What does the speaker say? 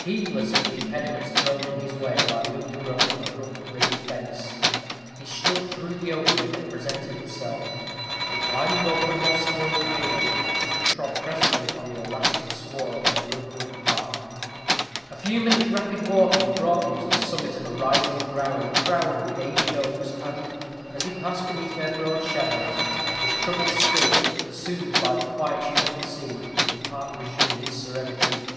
Heedless of the impediments thrown in his way by the undergrowth of a rough ring fence, he struck through the opening that presented itself, and, climbing over the moss grown paling, trod presently upon the elastic sward of Rookwood Park. A few minutes' rapid walking brought him to the summit of a rising ground crowned with aged oaks and, as he passed beneath their broad shadows, his troubled spirit, soothed by the quietude of the scene, in part resumed its serenity.